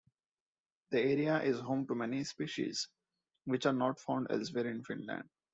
The area is home to many species which are not found elsewhere in Finland.